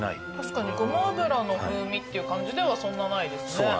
ごま油の風味って感じではそんなないですね。